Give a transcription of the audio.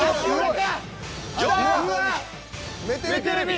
目テレビ。